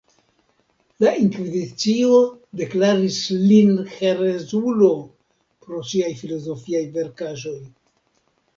La inkvizicio deklaris lin herezulo pro siaj filozofiaj verkaĵoj.